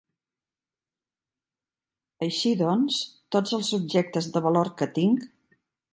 Així doncs, tots els objectes de valor que tinc.